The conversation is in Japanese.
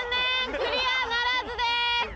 クリアならずです！